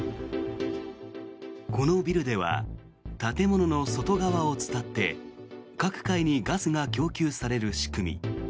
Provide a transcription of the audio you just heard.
このビルでは建物の外側を伝って各階にガスが供給される仕組み。